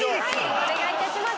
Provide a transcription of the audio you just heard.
お願いいたします。